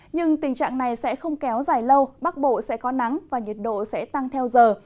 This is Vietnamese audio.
nhưng tình trạng này sẽ không kéo dài lâu bắc bộ sẽ có nắng và nhiệt độ sẽ tăng theo giờ